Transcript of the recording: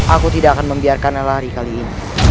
aku tidak akan membiarkannya lari kali ini